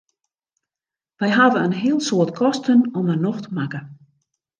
Wy hawwe in heel soad kosten om 'e nocht makke.